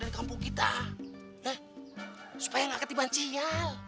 nggak supaya nggak ketiban cial